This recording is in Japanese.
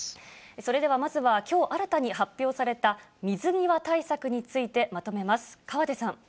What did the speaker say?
それではまずは、きょう新たに発表された水際対策についてまとめます。